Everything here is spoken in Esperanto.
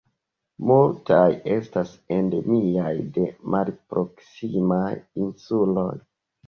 Multaj estas endemiaj de malproksimaj insuloj.